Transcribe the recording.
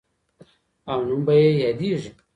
او نوم به یې یادیږي.